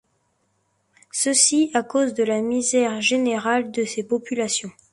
Ceci à cause de la misère générale de ces populations.